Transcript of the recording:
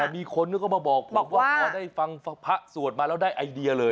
แต่มีคนเขาก็มาบอกว่าพอได้ฟังพระสวดมาแล้วได้ไอเดียเลย